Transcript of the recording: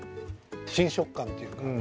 新食感というか。